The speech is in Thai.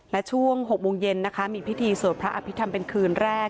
และช่วง๖โมงเย็นนะคะมีพิธีสวดพระอภิษฐรรมเป็นคืนแรก